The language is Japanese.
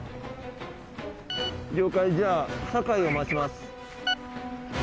了解じゃあ酒井を待ちます。